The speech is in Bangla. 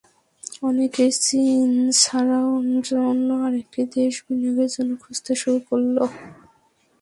অনেকেই চীন ছাড়াও অন্য আরেকটি দেশ বিনিয়োগের জন্য খুঁজতে শুরু করল।